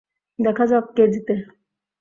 দেখা যাক কে জিতে।